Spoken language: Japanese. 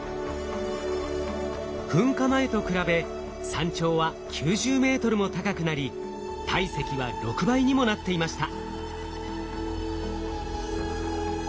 噴火前と比べ山頂は９０ｍも高くなり体積は６倍にもなっていました。